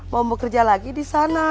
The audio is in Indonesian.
mau bekerja lagi di sana